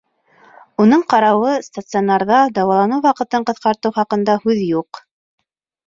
Уның ҡарауы, стационарҙа дауаланыу ваҡытын ҡыҫҡартыу хаҡында һүҙ юҡ.